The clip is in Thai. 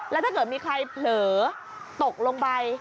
แล้วถ้าเกิดมีใครเผลอตกลงไป